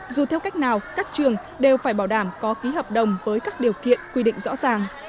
dù theo cách nào các trường đều phải bảo đảm có ký hợp đồng với các điều kiện quy định rõ ràng